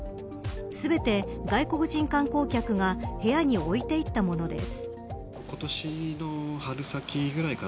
全て、外国人観光客が部屋に置いていったものです。